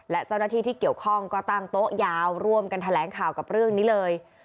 และเจ้าหน้าที่ที่เกี่ยวข้องก็ตั้งโต๊ะยาวร่วมกันแถลงข่าวกับเรื่องนี้เลย